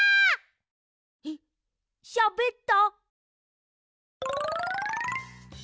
えっしゃべった？